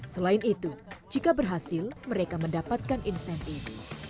selain itu jika berhasil mereka mendapatkan insentif